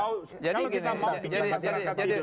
kalau kita mau